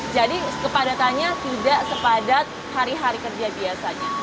jadi kepadatannya tidak sepadat hari hari kerja biasanya